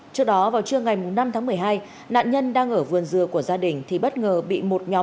trước đó vào trưa ngày năm tháng một mươi hai nạn nhân đang ở vườn dừa của gia đình thì bất ngờ bị một nhóm